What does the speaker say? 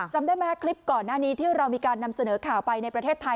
จำได้ไหมคลิปก่อนหน้านี้ที่เรามีการนำเสนอข่าวไปในประเทศไทย